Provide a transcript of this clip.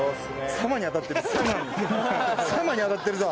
「様」に当たってるぞ！